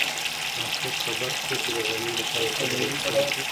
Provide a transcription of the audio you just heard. لارښود خبر کړو چې د غرمې لپاره هوټل ریزرف شوی.